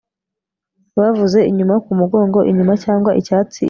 Bavuze Inyuma Ku Mugongo inyuma cyangwa Icyatsi inyuma